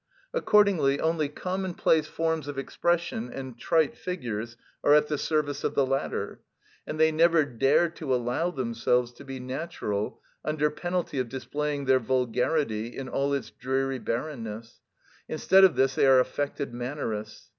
Accordingly only commonplace forms of expression and trite figures are at the service of the latter, and they never dare to allow themselves to be natural, under penalty of displaying their vulgarity in all its dreary barrenness; instead of this they are affected mannerists.